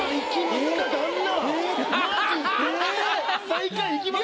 最下位いきます？